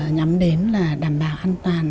nhắm đến là đảm bảo an toàn